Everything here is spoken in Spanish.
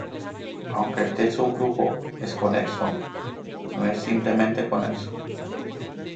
Aunque este subgrupo es conexo no es simplemente conexo.